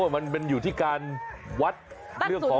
มันอยู่ที่การวัดเรื่องของ